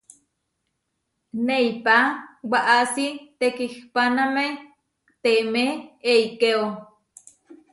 Neipá waʼási tekihpáname temé eikéo.